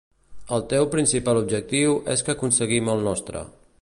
El teu principal objectiu és que aconseguim el nostre.